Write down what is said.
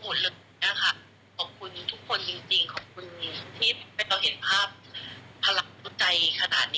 ขอบคุณทุกคนจริงขอบคุณที่ไม่ต้องเห็นภาพพลังใจขนาดนี้